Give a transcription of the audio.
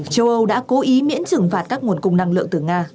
châu âu đã cố ý miễn trừng phạt các nguồn cung năng lượng từ nga